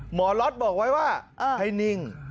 หมอล็อตบอกไว้ว่าให้นิ่ง